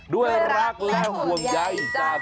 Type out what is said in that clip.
ด้วยรักและห่วงใหญ่จากใจตลอดภัณฑ์นะครับ